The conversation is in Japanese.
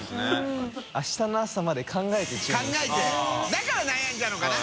だから悩んじゃうのかな？